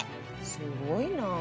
すごいなあ。